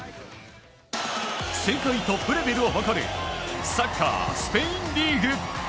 世界トップレベルを誇るサッカースペインリーグ。